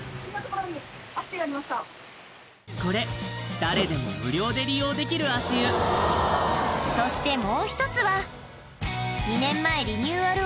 これ誰でも無料で利用できる足湯そしてもう一つは２年前リニューアル